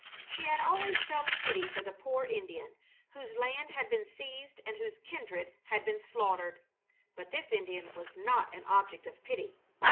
She had always felt pity for the poor Indian, whose land had been seized and whose kindred had been slaughtered. But this Indian was not an object of pity.